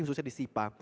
khususnya di sipa